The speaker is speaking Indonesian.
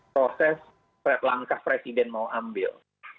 proses langkah presiden mau ambil